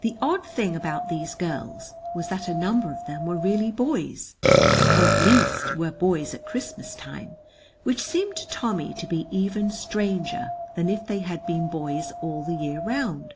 The odd thing about these girls was that a number of them were really boys or at least were boys at Christmas time, which seemed to Tommy to be even stranger than if they had been boys all the year round.